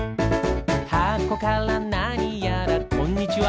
「はこからなにやらこんにちは」